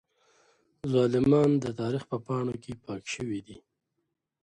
ظالمان د تاريخ په پاڼو کې پاک شوي دي.